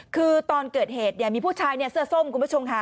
คือตอนเกิดเหตุเนี่ยมีผู้ชายเสื้อส้มคุณผู้ชมค่ะ